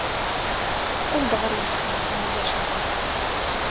Qqel-d ɣer uxxam, ma ulac aɣilif.